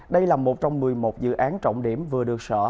đây là một trong một mươi một dự án trọng điểm vừa được sở